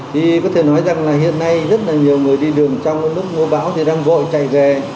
thì có thể nói rằng là hiện nay rất là nhiều người đi đường trong lúc mưa bão thì đang vội chạy về